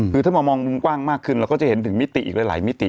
คือถ้ามามองมุมกว้างมากขึ้นเราก็จะเห็นถึงมิติอีกหลายมิติ